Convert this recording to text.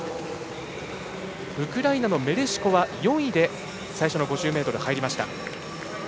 ウクライナのメレシコは４位で最初の５０ｍ入りました。